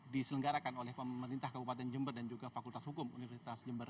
diselenggarakan oleh pemerintah kabupaten jember dan juga fakultas hukum universitas jember